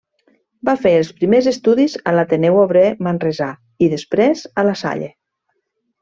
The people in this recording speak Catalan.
Va fer els primers estudis a l'Ateneu Obrer Manresà i després a La Salle.